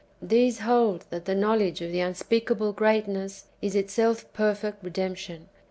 These hold that the knowledge of the unspeakable Greatness is itself perfect redemption.